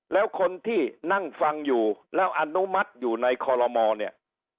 แล้วคนที่นั่งฟังอยู่แล้วอนุมัติอยู่ในคอลโลมอลเนี่ย